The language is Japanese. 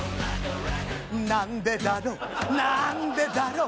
「なんでだろうなんでだろう」